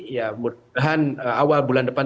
ya mudah mudahan awal bulan depan